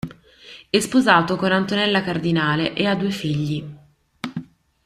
È sposato con Antonella Cardinale e ha due figli.